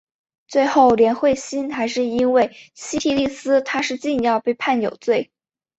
最后连惠心还是因为西替利司他是禁药被判有罪。